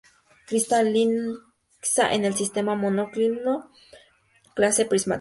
Cristaliza en el sistema monoclínico, clase prismática.